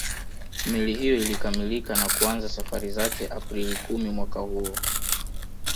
Meli hiyo ilikamilika na kuanza safari zake Aprili kumi mwaka huo